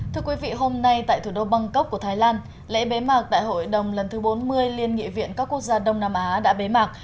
thưa quý vị hôm nay tại thủ đô bangkok của thái lan lễ bế mạc đại hội đồng lần thứ bốn mươi liên nghị viện các quốc gia đông nam á đã bế mạc